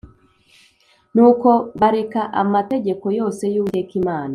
Nuko bareka amategeko yose y Uwiteka Imana